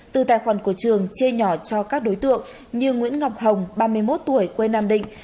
từ tài khoản của trường chia nhỏ cho các đối tượng như nguyễn ngọc hồng ba mươi một tuổi quê nam định